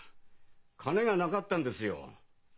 金がなかったんですよ。